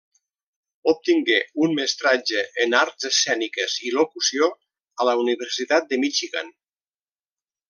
Obtingué un mestratge en Arts Escèniques i Locució a la Universitat de Michigan.